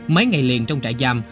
mấy ngày liền trong trại giam